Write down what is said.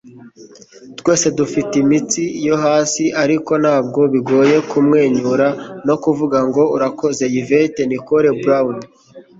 twese dufite iminsi yo hasi, ariko ntabwo bigoye kumwenyura no kuvuga ngo: 'urakoze.' - yvette nicole brown